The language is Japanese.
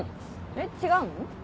えっ違うの？